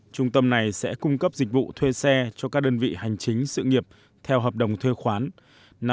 trung tâm này sẽ cung cấp dịch vụ thuê xe cho các đơn vị hành chính sự nghiệp theo hợp đồng thuê khoán